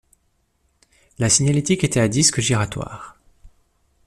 La signalétique était à disques giratoires.